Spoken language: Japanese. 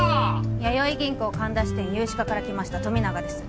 やよい銀行神田支店融資課から来ました富永です